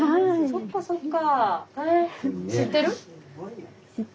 そっかそっか。